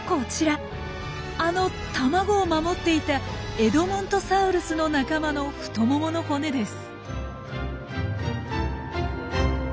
あの卵を守っていたエドモントサウルスの仲間の太ももの骨です。